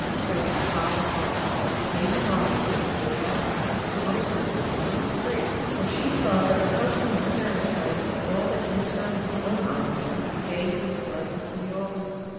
There was a solemn pause:—Lady Ravensworth was now perhaps the most composed of the three, for she saw that her husband was satisfied in all that concerned his own honour since the day he had led her to the altar.